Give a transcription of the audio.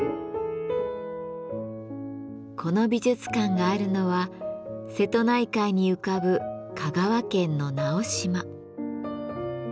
この美術館があるのは瀬戸内海に浮かぶ香川県の直島。